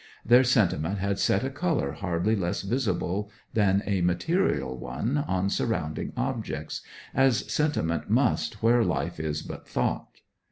Their sentiment had set a colour hardly less visible than a material one on surrounding objects, as sentiment must where life is but thought.